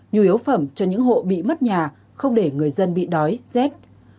nhu yếu phẩm cho những hộ bị mất nhà không để người dân bị đói rét